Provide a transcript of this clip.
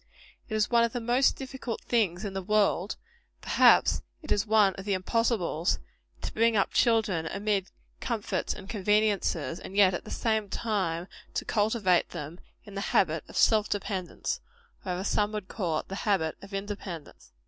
It is one of the most difficult things in the world perhaps it is one of the impossibles to bring up children amid comforts and conveniences, and yet at the same time to cultivate in them the habit of self dependence or, as some would call it, the habit of independence.